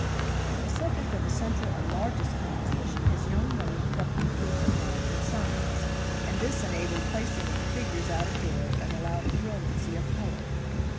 The subject of the central and largest composition is young women plucking the fruits of knowledge and science, and this enabled placing of the figures out of doors and allowed of brilliancy of color.